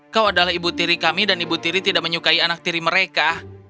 kau adalah ibu tiri kami dan ibu tiri tidak menyukai anak tiri mereka